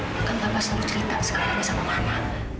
bukan papa selalu cerita sekarang sama mama